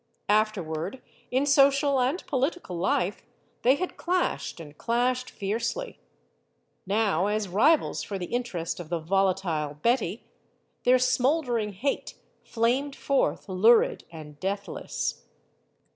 Afterward, in social and political life, they had clashed, and clashed fiercely. Now, as rivals for the interest of the volatile Betty, their smoldering hate flamed forth lurid and deathless.